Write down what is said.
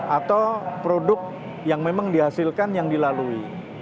atau produk yang memang dihasilkan yang dilalui